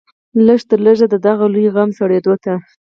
لږ تر لږه د دغه لوی غم سړېدلو ته.